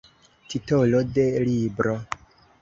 Titolo de libro.